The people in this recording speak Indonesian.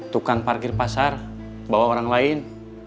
tukang parkir pasar bawa orang lain